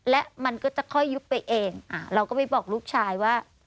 และมันก็จะค่อยยุบไปเองเราก็ไปบอกลูกชายว่า